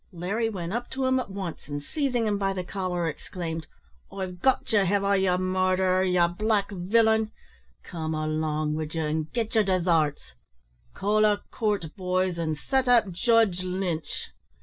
Larry went up to him at once, and, seizing him by the collar, exclaimed "I've got ye, have I, ye murderer, ye black villain! Come along wid ye, and git yer desarts call a coort, boys, an' sot up Judge Lynch."